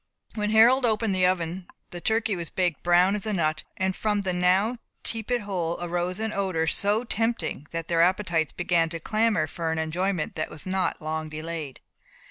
When Harold opened the oven the turkey was baked brown as a nut, and from the now tepid hole arose an odour, so tempting, that their appetites began to clamour for an enjoyment that was not long delayed.